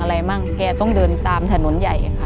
อะไรบ้างแกจะต้องเดินตามถนนใหญ่